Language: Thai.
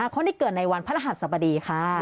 คนที่เกิดในวันพระรหัสสบดีค่ะ